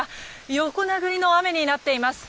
横殴りの雨になっています。